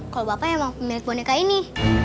kalo bapak yang mau pemilik boneka ini